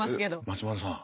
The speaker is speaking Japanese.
松丸さん。